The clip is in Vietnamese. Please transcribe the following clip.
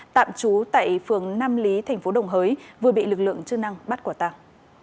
tạm chú tại phường nam lý tp đồng hới vừa bị lực lượng chức năng bắt quả tàng